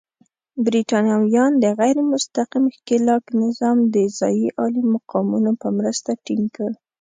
برېټانویانو د غیر مستقیم ښکېلاک نظام د ځايي عالي مقامانو په مرسته ټینګ کړ.